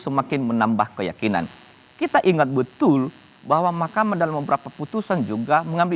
semakin menambah keyakinan kita ingat betul bahwa mahkamah dalam beberapa putusan juga mengambil